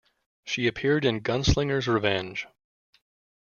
She appeared in "Gunslinger's Revenge".